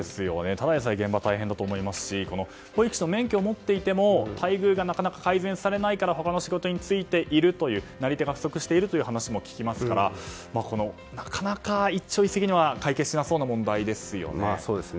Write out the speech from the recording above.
ただでさえ現場は大変だと思いますし保育士の免許を持っていても待遇がなかなか改善されないから他の仕事に就いているなり手が不足しているという話も聞きますからなかなか一朝一夕には解決しなそうな問題ですね。